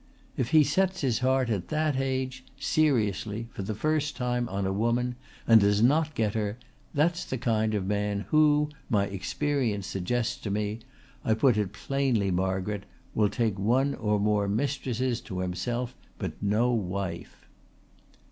If he sets his heart at that age, seriously, for the first time on a woman and does not get her, that's the kind of man who, my experience suggests to me I put it plainly, Margaret will take one or more mistresses to himself but no wife."